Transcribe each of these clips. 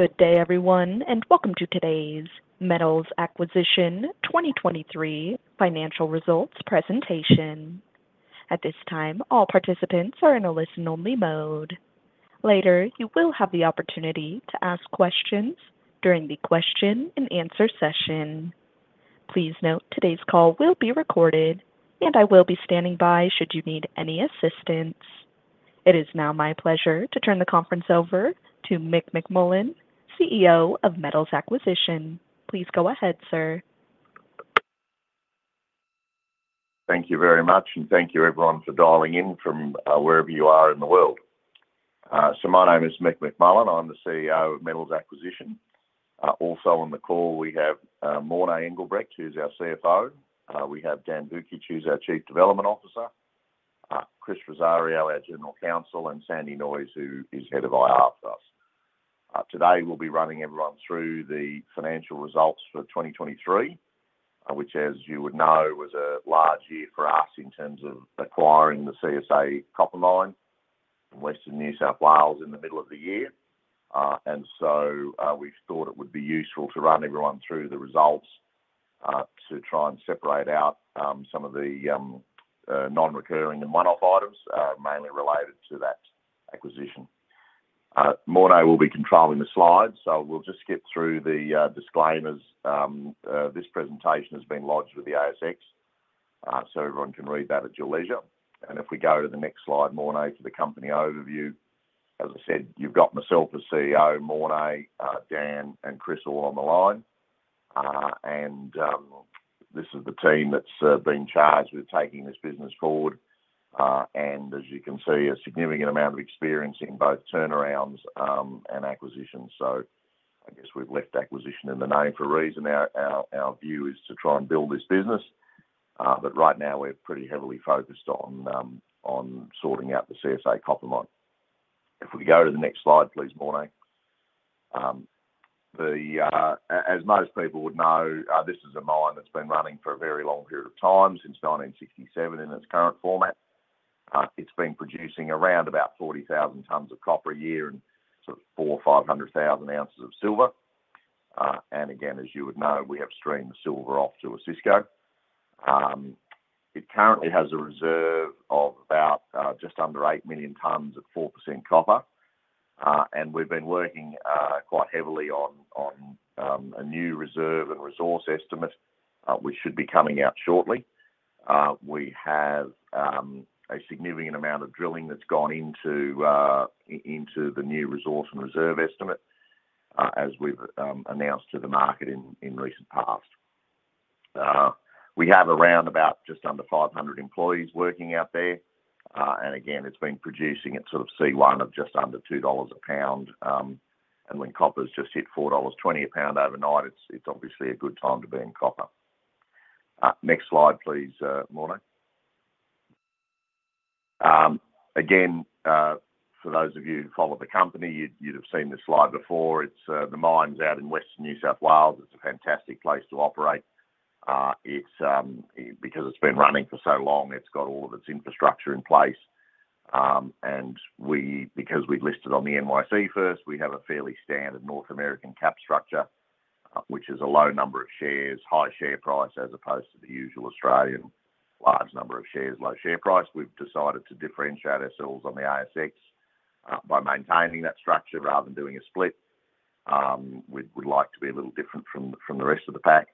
Good day, everyone, and welcome to today's Metals Acquisition 2023 Financial Results Presentation. At this time, all participants are in a listen-only mode. Later, you will have the opportunity to ask questions during the question-and-answer session. Please note today's call will be recorded, and I will be standing by should you need any assistance. It is now my pleasure to turn the conference over to Mick McMullen, CEO of Metals Acquisition. Please go ahead, sir. Thank you very much, and thank you, everyone, for dialing in from wherever you are in the world. So my name is Mick McMullen. I'm the CEO of Metals Acquisition. Also on the call, we have Morné Engelbrecht, who's our CFO. We have Dan Vujcic, who's our Chief Development Officer. Chris Rosario, our General Counsel. And Sandy Sneum, who is head of IR for us. Today, we'll be running everyone through the financial results for 2023, which, as you would know, was a large year for us in terms of acquiring the CSA Copper Mine in western New South Wales in the middle of the year. And so we thought it would be useful to run everyone through the results to try and separate out some of the non-recurring and one-off items, mainly related to that acquisition. Morné will be controlling the slides, so we'll just skip through the disclaimers. This presentation has been lodged with the ASX, so everyone can read that at your leisure. And if we go to the next slide, Morné, for the company overview, as I said, you've got myself as CEO, Morné, Dan, and Chris all on the line. And this is the team that's been charged with taking this business forward. And as you can see, a significant amount of experience in both turnarounds and acquisitions. So I guess we've left acquisition in the name for a reason. Our view is to try and build this business. But right now, we're pretty heavily focused on sorting out the CSA Copper Mine. If we go to the next slide, please, Morné. As most people would know, this is a mine that's been running for a very long period of time, since 1967 in its current format. It's been producing around about 40,000 tonnes of copper a year and sort of 400,000-500,000 ounces of silver. And again, as you would know, we have streamed the silver off to a counterparty. It currently has a reserve of about just under 8 million tonnes of 4% copper. And we've been working quite heavily on a new reserve and resource estimate, which should be coming out shortly. We have a significant amount of drilling that's gone into the new resource and reserve estimate, as we've announced to the market in recent past. We have around about just under 500 employees working out there. And again, it's been producing at sort of C1 of just under $2 a pound. And when copper's just hit $4.20 a pound overnight, it's obviously a good time to be in copper. Next slide, please, Morné. Again, for those of you who follow the company, you'd have seen this slide before. The mine's out in western New South Wales. It's a fantastic place to operate. Because it's been running for so long, it's got all of its infrastructure in place. And because we listed on the NYSE first, we have a fairly standard North American cap structure, which is a low number of shares, high share price as opposed to the usual Australian large number of shares, low share price. We've decided to differentiate ourselves on the ASX by maintaining that structure rather than doing a split. We'd like to be a little different from the rest of the pack.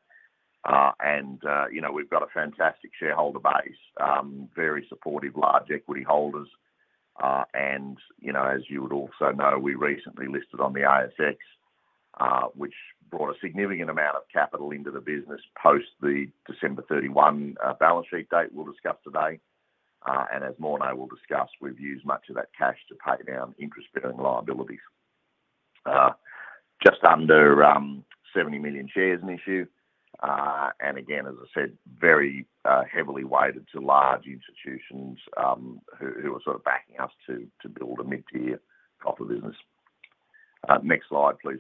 And we've got a fantastic shareholder base, very supportive large equity holders. As you would also know, we recently listed on the ASX, which brought a significant amount of capital into the business post the December 31 balance sheet date we'll discuss today. As Morné will discuss, we've used much of that cash to pay down interest-bearing liabilities. Just under 70 million shares in issue. Again, as I said, very heavily weighted to large institutions who are sort of backing us to build a mid-tier copper business. Next slide, please,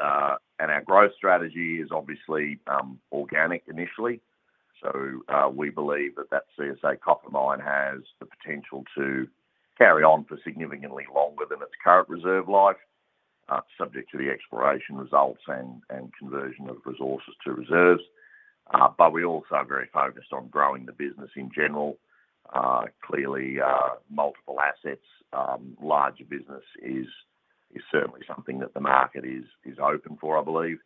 Morné. Our growth strategy is obviously organic initially. So we believe that that CSA copper mine has the potential to carry on for significantly longer than its current reserve life, subject to the exploration results and conversion of resources to reserves. But we're also very focused on growing the business in general. Clearly, multiple assets, larger business is certainly something that the market is open for, I believe.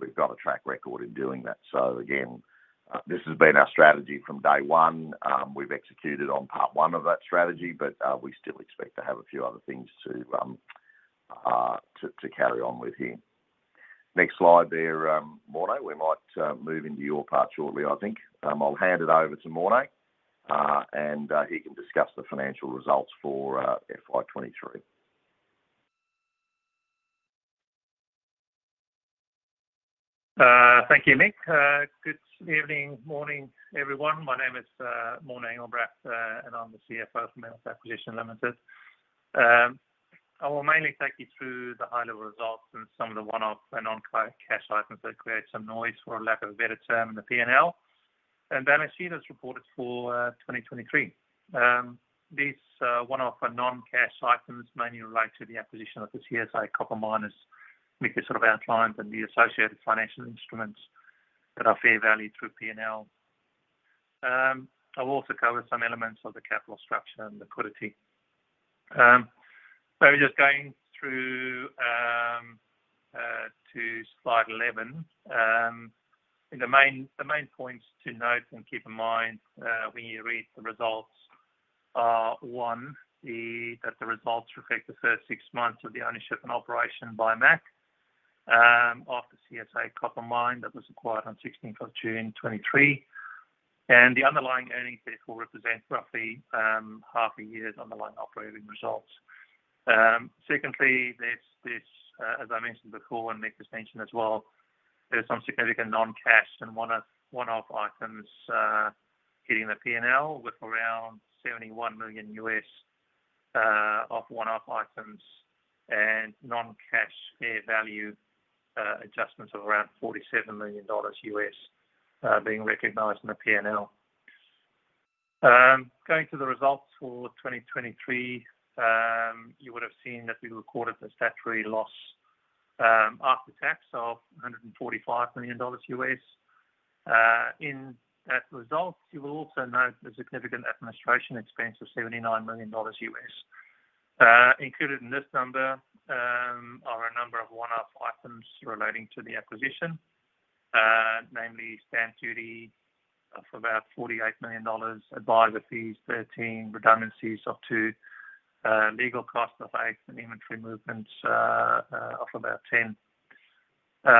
We've got a track record in doing that. So again, this has been our strategy from day one. We've executed on part one of that strategy, but we still expect to have a few other things to carry on with here. Next slide there, Morné. We might move into your part shortly, I think. I'll hand it over to Morné, and he can discuss the financial results for FY23. Thank you, Mick. Good evening, morning, everyone. My name is Morné Engelbrecht, and I'm the CFO for Metals Acquisition Limited. I will mainly take you through the high-level results and some of the one-off and non-cash items that create some noise, for lack of a better term, in the P&L. Balance sheet that's reported for 2023. These one-off and non-cash items mainly relate to the acquisition of the CSA Copper Mine, make a sort of outline for the associated financial instruments that are fair value through P&L. I'll also cover some elements of the capital structure and liquidity. So we're just going through to slide 11. The main points to note and keep in mind when you read the results are, one, that the results reflect the first six months of the ownership and operation by MAC of the CSA Copper Mine that was acquired on 16th of June 2023. The underlying earnings, therefore, represent roughly half a year's underlying operating results. Secondly, there's this, as I mentioned before and Mick has mentioned as well, there's some significant non-cash and one-off items hitting the P&L with around $71 million of one-off items and non-cash fair value adjustments of around $47 million being recognized in the P&L. Going to the results for 2023, you would have seen that we recorded the statutory loss after tax of $145 million. In that result, you will also note the significant administration expense of $79 million. Included in this number are a number of one-off items relating to the acquisition, namely stamp duty of about $48 million, advisory fees of $13 million, redundancies of $2 million, legal cost of $8 million, and inventory movements of about $10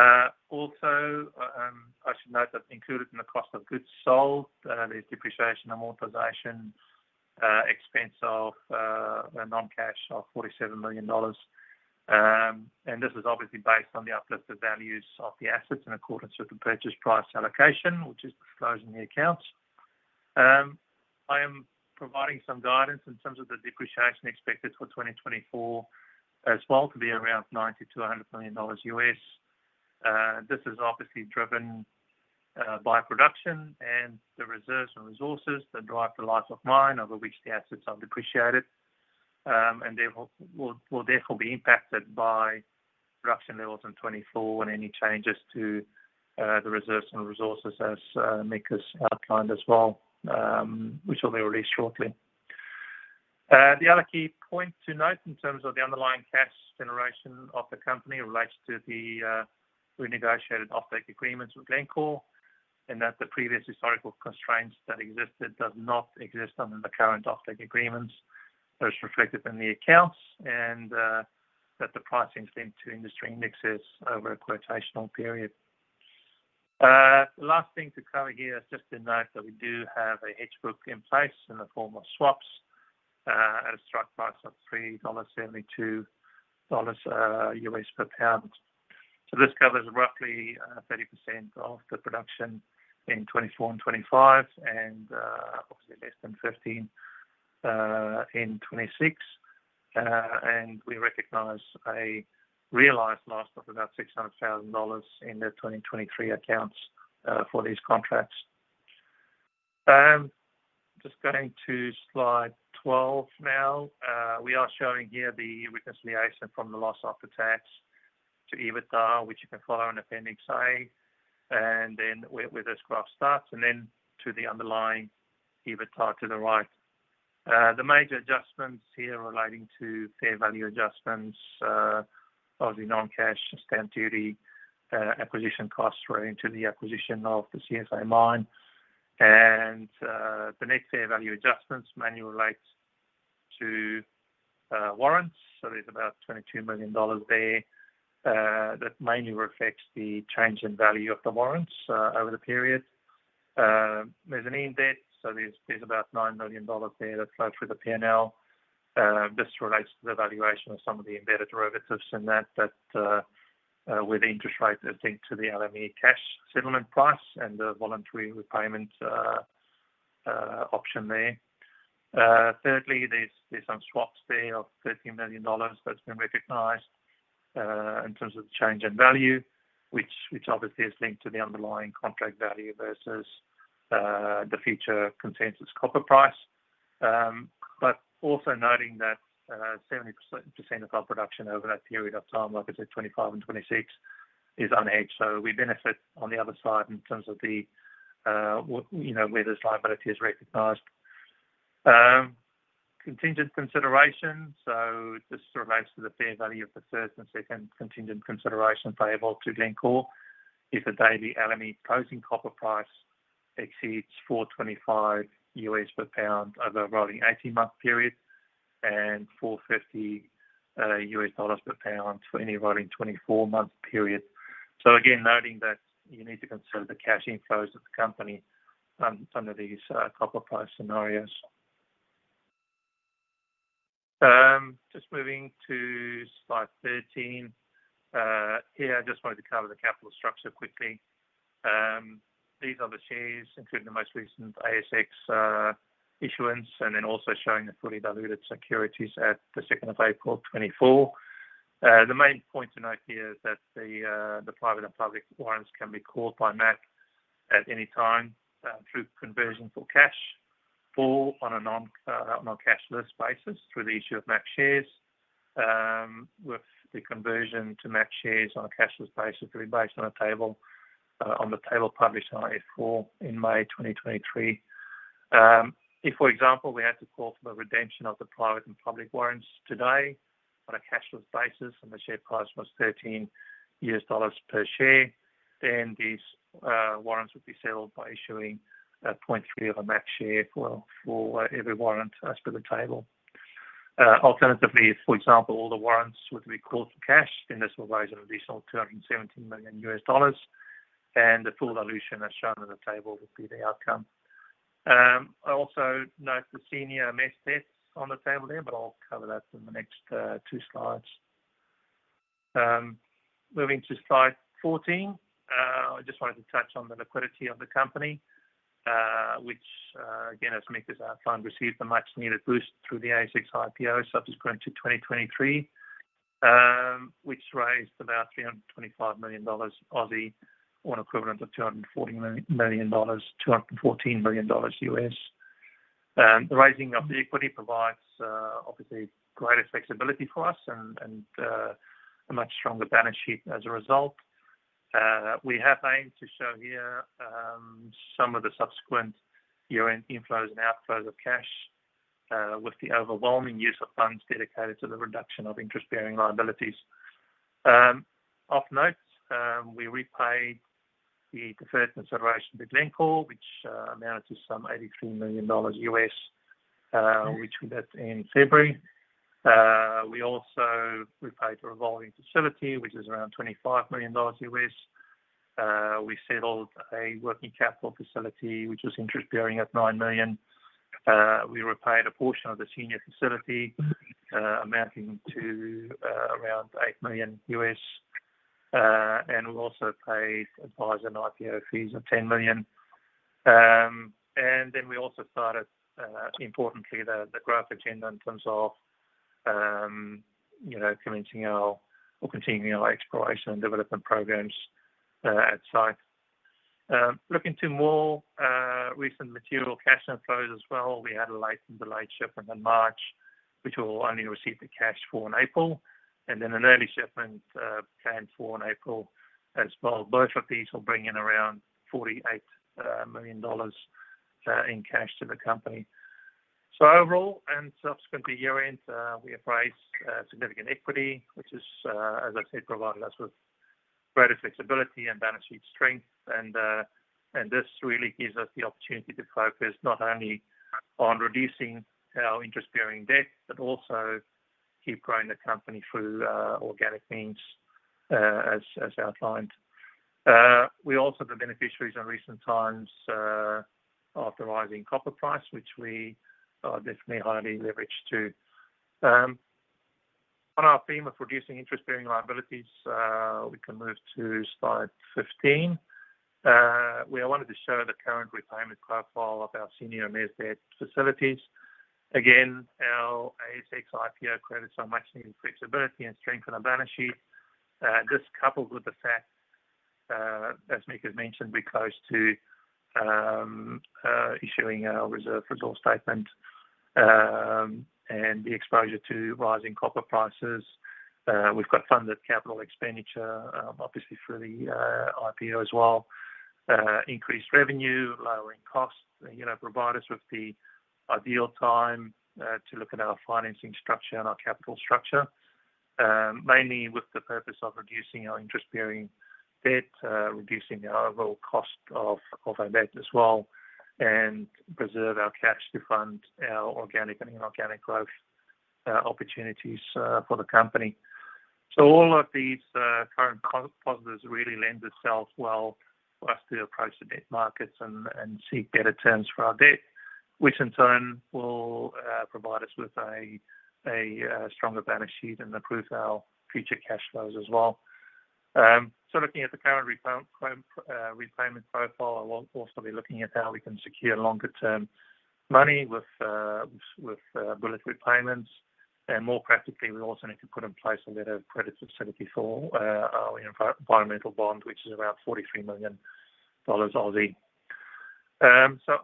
million. Also, I should note that included in the cost of goods sold, there's depreciation amortization expense of non-cash of $47 million. This is obviously based on the uplifted values of the assets in accordance with the purchase price allocation, which is disclosed in the accounts. I am providing some guidance in terms of the depreciation expected for 2024 as well to be around $90 million-$100 million. This is obviously driven by production and the reserves and resources that drive the life of mine, over which the assets are depreciated. They will therefore be impacted by production levels in 2024 and any changes to the reserves and resources, as Mick has outlined as well, which will be released shortly. The other key point to note in terms of the underlying cash generation of the company relates to the renegotiated offtake agreements with Glencore and that the previous historical constraints that existed do not exist under the current offtake agreements. That's reflected in the accounts and that the pricing's linked to industry indexes over a quotational period. The last thing to cover here is just to note that we do have a hedge book in place in the form of swaps at a strike price of $3.72 per pound. So this covers roughly 30% of the production in 2024 and 2025 and obviously less than 15% in 2026. We recognize a realized loss of about $600,000 in the 2023 accounts for these contracts. Just going to slide 12 now. We are showing here the reconciliation from the loss after tax to EBITDA, which you can follow in Appendix A. And then where this graph starts and then to the underlying EBITDA to the right. The major adjustments here relating to fair value adjustments, obviously non-cash, stamp duty, acquisition costs relating to the acquisition of the CSA mine. The net fair value adjustments mainly relate to warrants. So there's about $22 million there that mainly reflects the change in value of the warrants over the period. There's an index. So there's about $9 million there that flows through the P&L. This relates to the valuation of some of the embedded derivatives in that with interest rates that are linked to the LME cash settlement price and the voluntary repayment option there. Thirdly, there's some swaps there of $13 million that's been recognized in terms of the change in value, which obviously is linked to the underlying contract value versus the future consensus copper price. But also noting that 70% of our production over that period of time, like I said, 2025 and 2026, is unhedged. So we benefit on the other side in terms of where this liability is recognized. Contingent consideration. So this relates to the fair value of the first and second contingent consideration payable to Glencore if the daily LME closing copper price exceeds $425 per pound over a rolling 18-month period and $450 per pound for any rolling 24-month period. So again, noting that you need to consider the cash inflows of the company under these copper price scenarios. Just moving to slide 13. Here, I just wanted to cover the capital structure quickly. These are the shares, including the most recent ASX issuance, and then also showing the fully diluted securities at the 2nd of April 2024. The main point to note here is that the private and public warrants can be called by MAC at any time through conversion for cash or on a cashless basis through the issue of MAC shares. With the conversion to MAC shares on a cashless basis, it'll be based on a table published on F-4 in May 2023. If, for example, we had to call for the redemption of the private and public warrants today on a cashless basis and the share price was $13 per share, then these warrants would be settled by issuing 0.3 of a MAC share for every warrant as per the table. Alternatively, for example, all the warrants would be called for cash. Then this will raise an additional $217 million. And the full dilution as shown in the table would be the outcome. I also note the Senior Mezz debts on the table there, but I'll cover that in the next two slides. Moving to slide 14, I just wanted to touch on the liquidity of the company, which, again, as Mick has outlined, received a much-needed boost through the ASX IPO subsequent to 2023, which raised about 325 million Aussie dollars or an equivalent of $240 million, $214 million U.S.. The raising of the equity provides, obviously, greater flexibility for us and a much stronger balance sheet as a result. We have aimed to show here some of the subsequent year-end inflows and outflows of cash with the overwhelming use of funds dedicated to the reduction of interest-bearing liabilities. Of note, we repaid the deferred consideration to Glencore, which amounted to some $83 million U.S., which we did in February. We also repaid a revolving facility, which is around $25 million U.S.. We settled a working capital facility, which was interest-bearing at $9 million. We repaid a portion of the senior facility amounting to around $8 million. We also paid advisor and IPO fees of $10 million. Then we also started, importantly, the growth agenda in terms of commencing our or continuing our exploration and development programs at site. Looking to more recent material cash inflows as well, we had a late and delayed shipment in March, which will only receive the cash for in April, and then an early shipment planned for in April as well. Both of these will bring in around $48 million in cash to the company. So overall and subsequent to year-end, we raised significant equity, which has, as I said, provided us with greater flexibility and balance sheet strength. This really gives us the opportunity to focus not only on reducing our interest-bearing debt but also keep growing the company through organic means, as outlined. We also have been beneficiaries in recent times of the rising copper price, which we definitely highly leverage too. On our theme of reducing interest-bearing liabilities, we can move to slide 15. We wanted to show the current repayment profile of our Senior Mezz debt facilities. Again, our ASX IPO credits are much-needed flexibility and strength in the balance sheet. This, coupled with the fact, as Mick has mentioned, we're close to issuing our reserve resource statement and the exposure to rising copper prices. We've got funded capital expenditure, obviously, through the IPO as well. Increased revenue, lowering costs provide us with the ideal time to look at our financing structure and our capital structure, mainly with the purpose of reducing our interest-bearing debt, reducing the overall cost of our debt as well, and preserve our cash to fund our organic and inorganic growth opportunities for the company. So all of these current positives really lend itself well for us to approach the debt markets and seek better terms for our debt, which in turn will provide us with a stronger balance sheet and improve our future cash flows as well. So looking at the current repayment profile, I'll also be looking at how we can secure longer-term money with bullet repayments. More practically, we also need to put in place a letter of credit facility for our environmental bond, which is around 43 million Aussie dollars.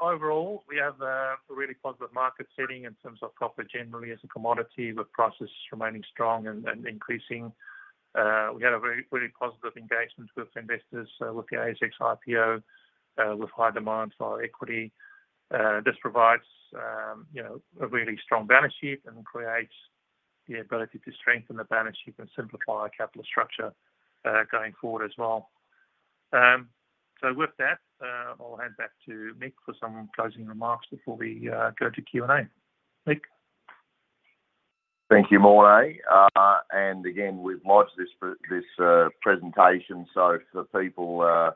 Overall, we have a really positive market setting in terms of copper generally as a commodity with prices remaining strong and increasing. We had a really positive engagement with investors with the ASX IPO with high demand for our equity. This provides a really strong balance sheet and creates the ability to strengthen the balance sheet and simplify our capital structure going forward as well. With that, I'll hand back to Mick for some closing remarks before we go to Q&A. Mick? Thank you, Morné. Again, we've logged this presentation. So for people,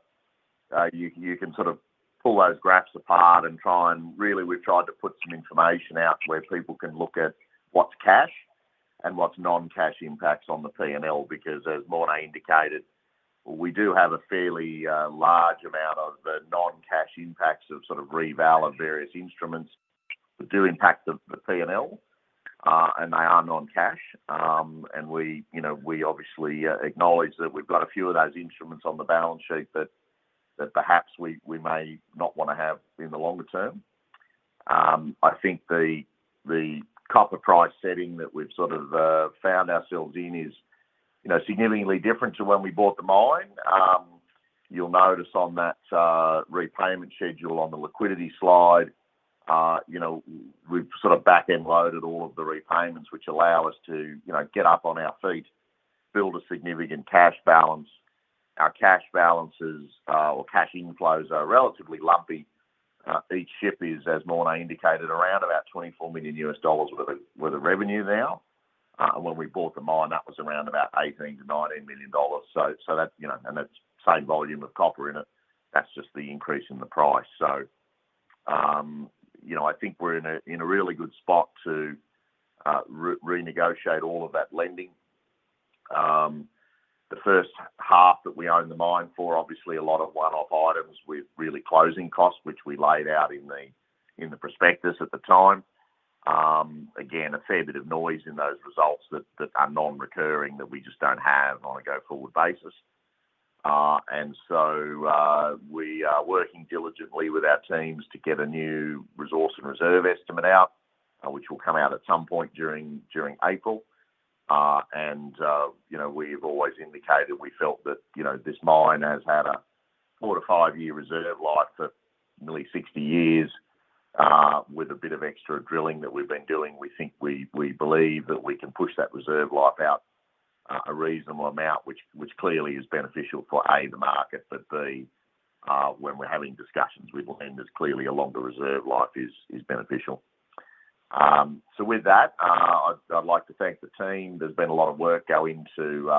you can sort of pull those graphs apart and try and really, we've tried to put some information out where people can look at what's cash and what's non-cash impacts on the P&L because, as Morné indicated, we do have a fairly large amount of non-cash impacts of sort of revaluing various instruments that do impact the P&L, and they are non-cash. We obviously acknowledge that we've got a few of those instruments on the balance sheet that perhaps we may not want to have in the longer term. I think the copper price setting that we've sort of found ourselves in is significantly different to when we bought the mine. You'll notice on that repayment schedule on the liquidity slide, we've sort of back-end loaded all of the repayments, which allow us to get up on our feet, build a significant cash balance. Our cash balances or cash inflows are relatively lumpy. Each ship is, as Morné indicated, around about $24 million worth of revenue now. And when we bought the mine, that was around about $18 million-$19 million. So that's and that's the same volume of copper in it. That's just the increase in the price. So I think we're in a really good spot to renegotiate all of that lending. The first half that we own the mine for, obviously, a lot of one-off items with really closing costs, which we laid out in the prospectus at the time. Again, a fair bit of noise in those results that are non-recurring that we just don't have on a go forward basis. So we are working diligently with our teams to get a new resource and reserve estimate out, which will come out at some point during April. We have always indicated we felt that this mine has had a 4-5-year reserve life for nearly 60 years. With a bit of extra drilling that we've been doing, we believe that we can push that reserve life out a reasonable amount, which clearly is beneficial for, A, the market, but, B, when we're having discussions with lenders, clearly, a longer reserve life is beneficial. With that, I'd like to thank the team. There's been a lot of work going into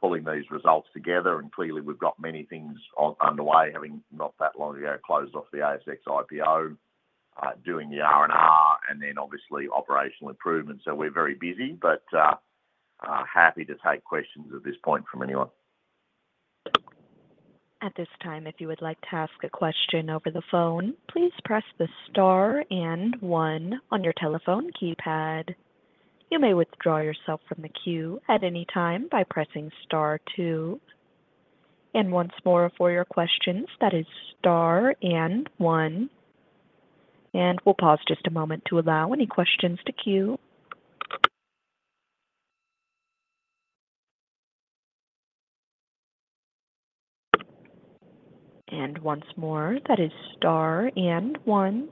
pulling these results together. Clearly, we've got many things underway, having not that long ago closed off the ASX IPO, doing the R&R, and then, obviously, operational improvements. We're very busy but happy to take questions at this point from anyone. At this time, if you would like to ask a question over the phone, please press the star and one on your telephone keypad. You may withdraw yourself from the queue at any time by pressing star two. And once more, for your questions, that is star and one. And we'll pause just a moment to allow any questions to queue. And once more, that is star and one.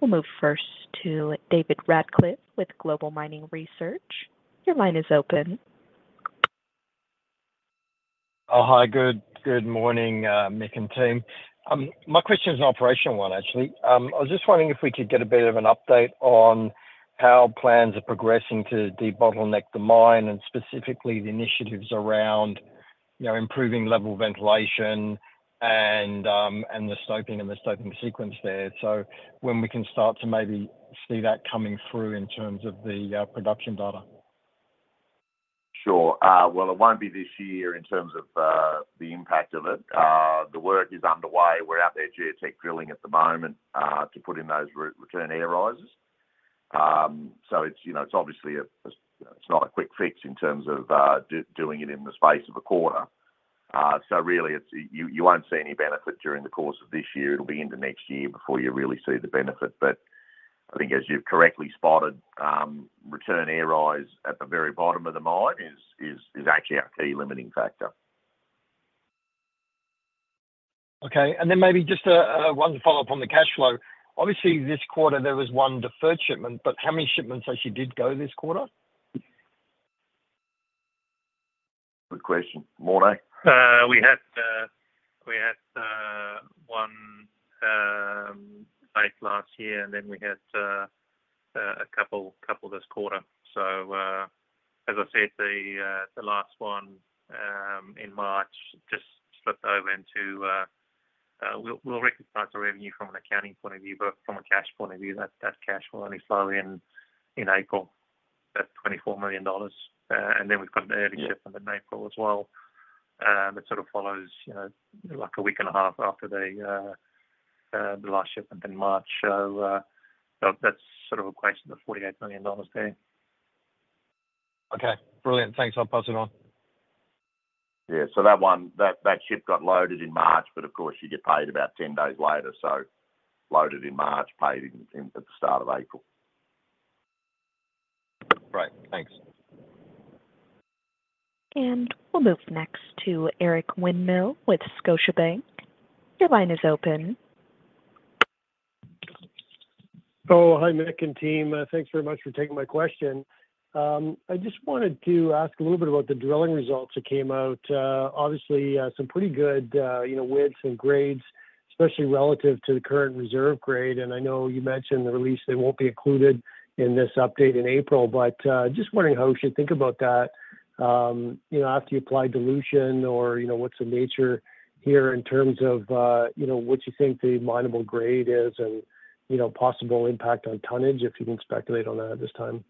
We'll move first to David Radclyffe with Global Mining Research. Your line is open. Oh, hi. Good morning, Mick and team. My question is an operational one, actually. I was just wondering if we could get a bit of an update on how plans are progressing to debottleneck the mine and specifically the initiatives around improving level ventilation and the stoping and the stoping sequence there, so when we can start to maybe see that coming through in terms of the production data. Sure. Well, it won't be this year in terms of the impact of it. The work is underway. We're out there geotech drilling at the moment to put in those return air raises. So it's obvious. It's not a quick fix in terms of doing it in the space of a quarter. So really, you won't see any benefit during the course of this year. It'll be into next year before you really see the benefit. But I think, as you've correctly spotted, return air raise at the very bottom of the mine is actually our key limiting factor. Okay. And then maybe just one follow-up on the cash flow. Obviously, this quarter, there was one deferred shipment, but how many shipments actually did go this quarter? Good question. Morné? We had one late last year, and then we had a couple this quarter. So as I said, the last one in March just flipped over into we'll recognize the revenue from an accounting point of view, but from a cash point of view, that cash will only flow in in April, that $24 million. And then we've got an early shipment in April as well that sort of follows like a week and a half after the last shipment in March. So that's sort of equation to the $48 million there. Okay. Brilliant. Thanks. I'll pass it on. Yeah. So that ship got loaded in March, but of course, you get paid about 10 days later. So loaded in March, paid at the start of April. Great. Thanks. We'll move next to Eric Winmill with Scotiabank. Your line is open. Oh, hi, Mick and team. Thanks very much for taking my question. I just wanted to ask a little bit about the drilling results that came out. Obviously, some pretty good widths and grades, especially relative to the current reserve grade. And I know you mentioned the release, they won't be included in this update in April, but just wondering how you should think about that after you apply dilution or what's the nature here in terms of what you think the minable grade is and possible impact on tonnage, if you can speculate on that at this time.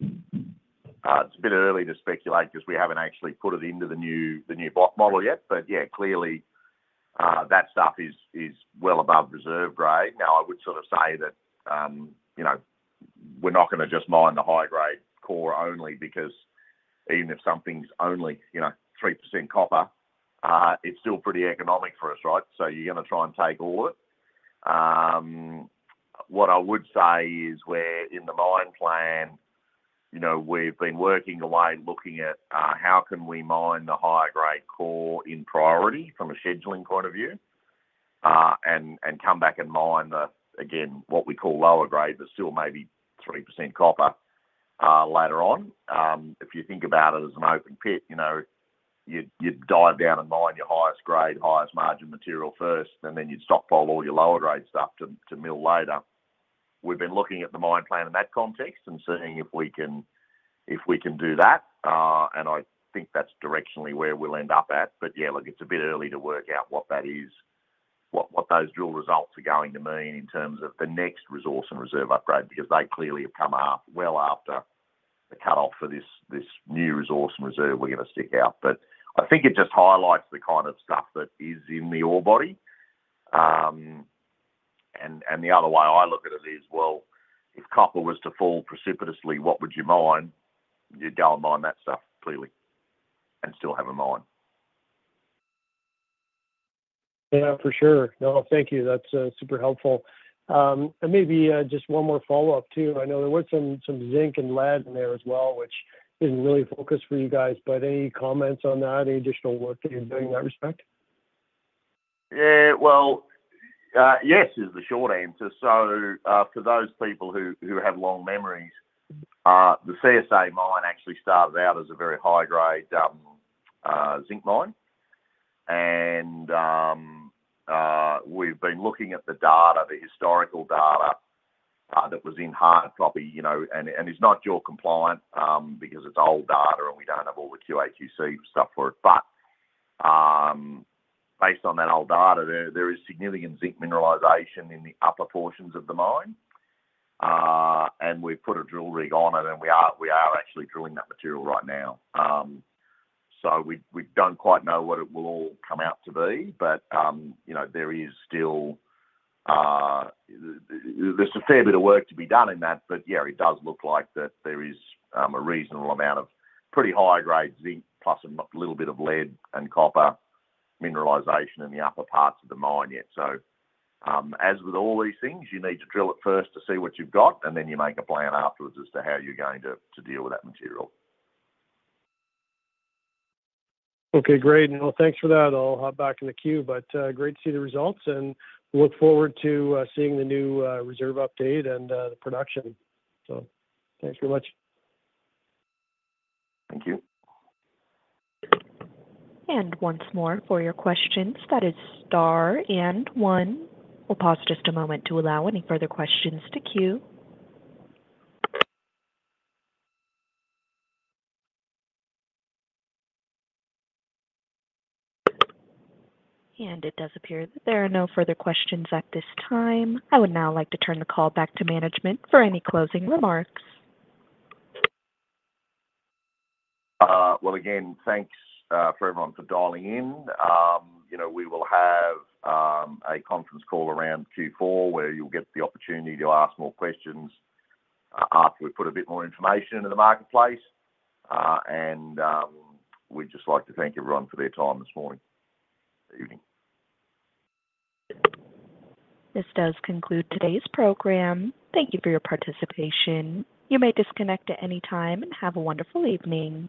It's a bit early to speculate because we haven't actually put it into the new model yet. But yeah, clearly, that stuff is well above reserve grade. Now, I would sort of say that we're not going to just mine the high-grade core only because even if something's only 3% copper, it's still pretty economic for us, right? So you're going to try and take all of it. What I would say is where in the mine plan, we've been working away looking at how can we mine the higher-grade core in priority from a scheduling point of view and come back and mine, again, what we call lower grade, but still maybe 3% copper later on. If you think about it as an open pit, you'd dive down and mine your highest grade, highest margin material first, and then you'd stockpile all your lower-grade stuff to mill later. We've been looking at the mine plan in that context and seeing if we can do that. And I think that's directionally where we'll end up at. But yeah, look, it's a bit early to work out what that is, what those drill results are going to mean in terms of the next resource and reserve upgrade because they clearly have come well after the cutoff for this new resource and reserve we're going to put out. But I think it just highlights the kind of stuff that is in the ore body. And the other way I look at it is, well, if copper was to fall precipitously, what would you mine? You'd go and mine that stuff clearly and still have a mine. Yeah, for sure. No, thank you. That's super helpful. And maybe just one more follow-up too. I know there was some zinc and lead in there as well, which isn't really focused for you guys. But any comments on that, any additional work that you're doing in that respect? Well, yes is the short answer. So for those people who have long memories, the CSA Mine actually started out as a very high-grade zinc mine. And we've been looking at the data, the historical data that was in hard copy. And it's not JORC compliant because it's old data, and we don't have all the QAQC stuff for it. But based on that old data, there is significant zinc mineralization in the upper portions of the mine. And we've put a drill rig on it, and we are actually drilling that material right now. So we don't quite know what it will all come out to be, but there is still a fair bit of work to be done in that. But yeah, it does look like that there is a reasonable amount of pretty high-grade zinc plus a little bit of lead and copper mineralization in the upper parts of the mine yet. So as with all these things, you need to drill it first to see what you've got, and then you make a plan afterwards as to how you're going to deal with that material. Okay. Great. Well, thanks for that. I'll hop back in the queue. Great to see the results, and we look forward to seeing the new reserve update and the production. Thanks very much. Thank you. Once more, for your questions, that is star and one. We'll pause just a moment to allow any further questions to queue. It does appear that there are no further questions at this time. I would now like to turn the call back to management for any closing remarks. Well, again, thanks for everyone for dialing in. We will have a conference call around Q4 where you'll get the opportunity to ask more questions after we put a bit more information into the marketplace. We'd just like to thank everyone for their time this morning or evening. This does conclude today's program. Thank you for your participation. You may disconnect at any time and have a wonderful evening.